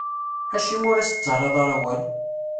Acimi ur as-d-tettarraḍ ara awal?